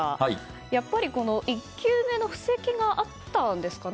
やっぱり１球目の布石があったんですかね？